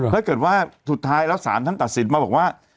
ถ้าเกิดว่าสุดท้ายแล้วศาลท่านตัดสินมาบอกว่า